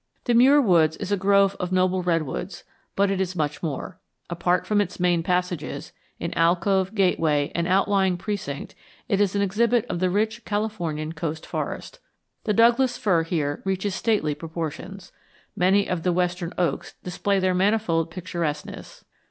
The Muir Woods is a grove of noble redwoods, but it is much more. Apart from its main passages, in alcove, gateway, and outlying precinct it is an exhibit of the rich Californian coast forest. The Douglas fir here reaches stately proportions. Many of the western oaks display their manifold picturesqueness.